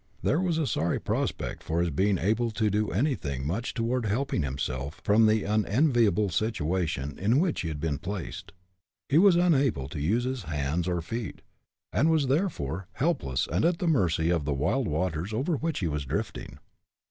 There was a sorry prospect for his being able to do anything much toward helping himself from the unenviable situation in which he had been placed. He was unable to use his hands or feet, and was, therefore, helpless and at the mercy of the wild waters over which he was drifting.